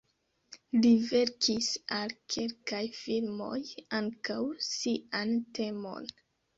Li verkis al kelkaj filmoj ankaŭ sian temon.